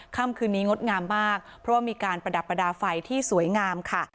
ค่ำคืนนี้งดงามมากเพราะว่ามีการประดับประดาษไฟที่สวยงามค่ะ